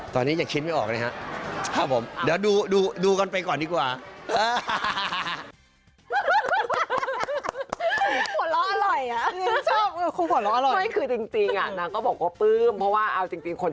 ถ้าจะจีบจะทรงไหนครับจีบทรงไหน